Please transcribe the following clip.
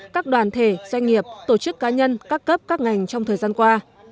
các đoàn thể doanh nghiệp tổ chức cá nhân các cấp các ngành trong thời gian qua